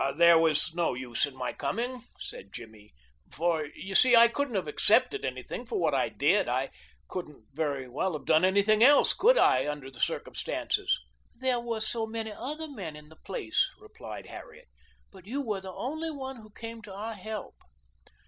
"There was no use in my coming," said Jimmy, "for, you see, I couldn't have accepted anything for what I did I couldn't very well have done anything else, could I, under the circumstances?" "There were many other men in the place," replied Harriet, "but you were the only one who came to our help."